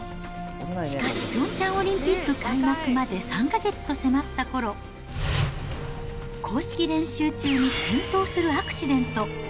しかしピョンチャンオリンピック開幕まで３か月と迫ったころ、公式練習中に転倒するアクシデント。